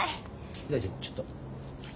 ひらりちゃんちょっと。